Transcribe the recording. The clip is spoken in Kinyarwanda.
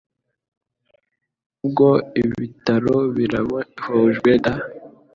ubwo ibitaro birabohojwe da